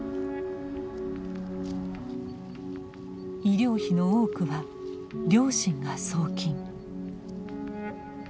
医療費の多くは両親が送金。